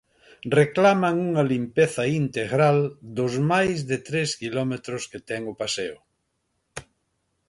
Reclaman unha limpeza integral dos máis de tres quilómetros que ten o paseo.